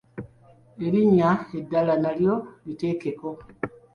Erinnya eddala nalyo liteekeko.